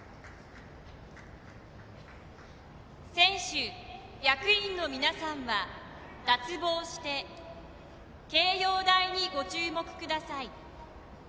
選手、役員の皆さんは、脱帽して掲揚台にご注目ください。